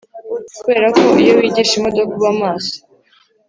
kubera ko iyo wigisha imodoka ubamaso